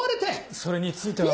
それについては。